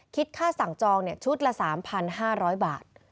คิดค่าสั่งจองชุดละ๓๕๐๐บาท